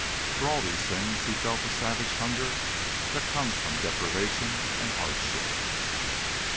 For all these things he felt the savage hunger that comes of deprivation and hardship.